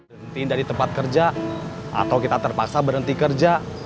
berhenti dari tempat kerja atau kita terpaksa berhenti kerja